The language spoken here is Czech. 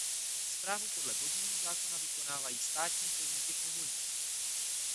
Správu podle vodního zákona vykonávají státní podniky Povodí.